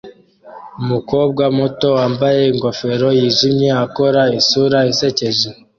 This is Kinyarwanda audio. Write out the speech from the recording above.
Umukobwa muto wambaye ingofero yijimye akora isura isekeje